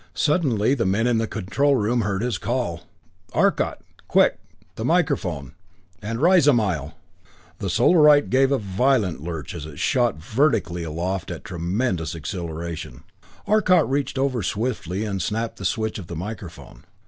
Suddenly the men in the control room heard his call: "Arcot quick the microphone and rise a mile!" The Solarite gave a violent lurch as it shot vertically aloft at tremendous acceleration. Arcot reached over swiftly and snapped the switch of the microphone.